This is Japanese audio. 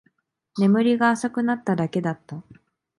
眠りが浅くなっただけだった